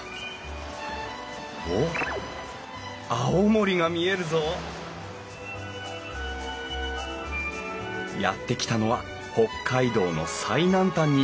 おっ青森が見えるぞやって来たのは北海道の最南端に位置する松前町。